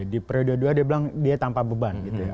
di periode dua dia bilang dia tanpa beban gitu ya